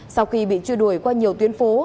sau khi bị chui đuổi qua nhiều tuyến phố